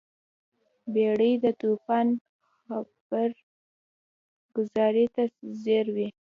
بیړۍ د توپان خبرګذارۍ ته ځیر وي.